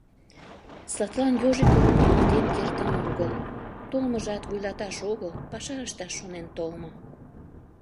Садлан Ежиковым «туныктен» кертын огыл, толмыжат вуйлатылаш огыл, паша ышташ шонен толмо.